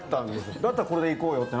だったらそれでいこうって。